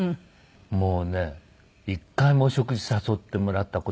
もうね一回もお食事誘ってもらった事なかったから。